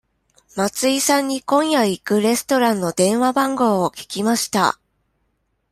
松井さんに今夜行くレストランの電話番号を聞きました。